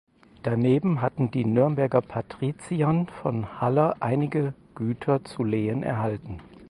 Daneben hatten die Nürnberger Patriziern von Haller einige Güter zu Lehen erhalten.